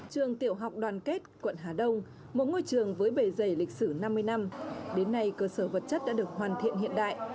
trường tiểu học đoàn kết quận hà đông một ngôi trường với bề dày lịch sử năm mươi năm đến nay cơ sở vật chất đã được hoàn thiện hiện đại